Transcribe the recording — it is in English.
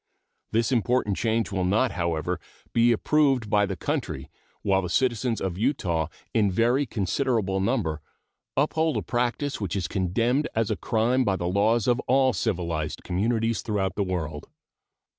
This important change will not, however, be approved by the country while the citizens of Utah in very considerable number uphold a practice which is condemned as a crime by the laws of all civilized communities throughout the world.